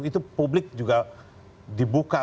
itu publik juga dibuka